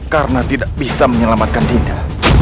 karena tidak bisa menyelamatkan dinda